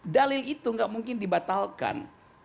dalil itu tidak mungkin dibatalkan